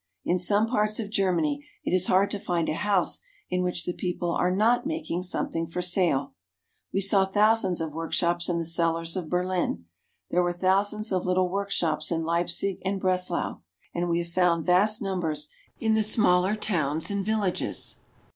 In some parts of Germany it is hard to find a house in which the people are not making something for sale. We saw thousands of workshops in the cellars of Berlin ; there were thousands of little workshops in Leipsig and Breslau ; and we have found vast numbers in the smaller towns and villages.